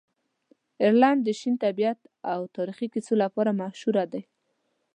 آیرلنډ د شین طبیعت او تاریخي کیسو لپاره مشهوره دی.